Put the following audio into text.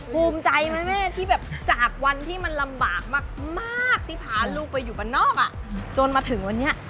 ภูมิใจไหมแม่ที่แบบจากวันที่มันลำบากมากที่พาลูกไปอยู่บ้านนอกอ่ะจนมาถึงวันนี้